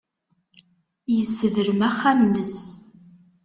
Yessedrem axxam-nnes.